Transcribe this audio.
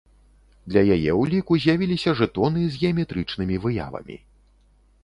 Для яе ўліку з'явіліся жэтоны з геаметрычнымі выявамі.